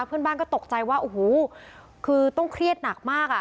เพื่อนบ้านก็ตกใจว่าโอ้โหคือต้องเครียดหนักมากอ่ะ